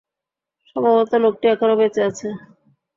সম্ভবত লোকটি এখনও বেঁচে আছে।